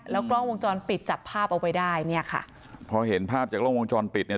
กล้องวงจรปิดจับภาพเอาไว้ได้เนี่ยค่ะพอเห็นภาพจากล้องวงจรปิดเนี่ย